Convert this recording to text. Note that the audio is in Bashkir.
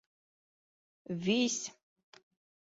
Вис!